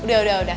udah udah udah